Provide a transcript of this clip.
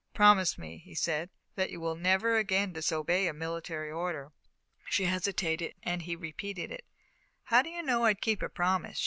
"Promise me," he said, "that you will never again disobey a military order." She hesitated, and he repeated it. "How do you know I'd keep a promise?"